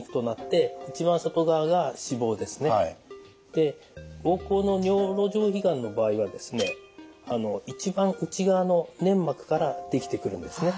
で膀胱の尿路上皮がんの場合はですね一番内側の粘膜から出来てくるんですね。